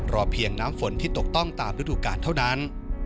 เพียงน้ำฝนที่ตกต้องตามฤดูกาลเท่านั้น